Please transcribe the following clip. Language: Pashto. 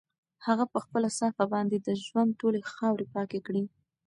هغه په خپله صافه باندې د ژوند ټولې خاورې پاکې کړې.